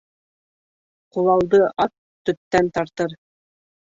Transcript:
Ҡулалды ат төптән тартыр